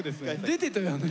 出てたよね。